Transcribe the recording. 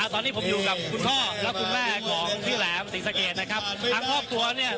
ตอนนี้ผมอยู่กับคุณพ่อและคุณแม่ของพี่แหลมศรีสะเกดนะครับทั้งครอบครัวเนี่ย